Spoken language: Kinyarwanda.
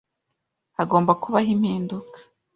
Hagomba kubaho impinduka.